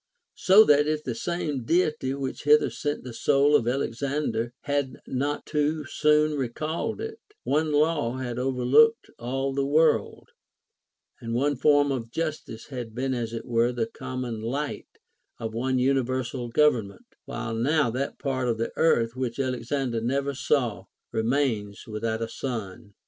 So that if the same Deity which hither sent the soul of Alexander had not too soon recalled it, one law had overlooked all the world, and one form of justice had been as it were the common light of one universal government ; while now that part of the earth which Alexander never saw remains without a sun.